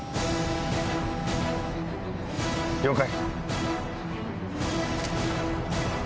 了解。